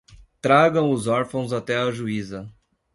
Traga os órfãos até a juíza